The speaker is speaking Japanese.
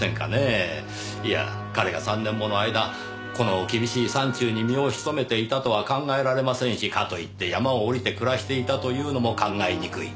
いやあ彼が３年もの間この厳しい山中に身を潜めていたとは考えられませんしかといって山を下りて暮らしていたというのも考えにくい。